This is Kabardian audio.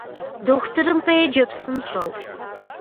Дохутырым къеджэ псынщӏэу!